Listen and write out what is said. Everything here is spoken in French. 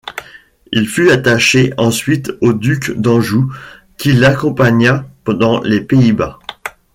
Il fut attaché ensuite au duc d'Anjou, qu’il accompagna dans les Pays-Bas.